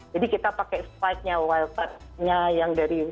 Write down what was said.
jadi kita pakai spike nya wildcard nya yang diambil